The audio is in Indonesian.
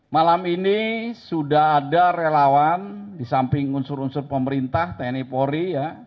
malam ini sudah ada relawan di samping unsur unsur pemerintah tni polri